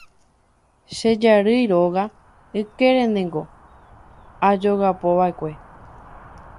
Che jarýi róga ykérenteko ajogapova'ekue.